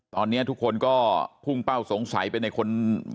ตอนนี้ทุกคนก็พุ่งเป้าสงสัยไปในคน